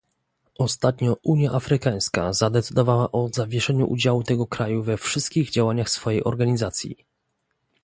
Ostatnio Unia Afrykańska zadecydowała o zawieszeniu udziału tego kraju we wszystkich działaniach swojej organizacji